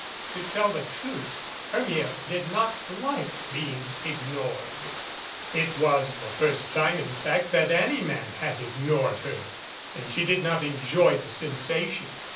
To tell the truth, Hermia did not like being ignored. It was the first time in fact, that any man had ignored her, and she did not enjoy the sensation.